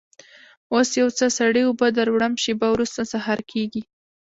اوس یو څه سړې اوبه در وړم، شېبه وروسته سهار کېږي.